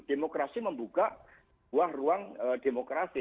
demokrasi membuka ruang ruang demokrasi